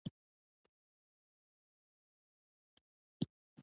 ایا لرزه یا ساړه مو کیږي؟